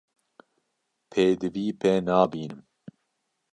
Pêdivî pê nabînim.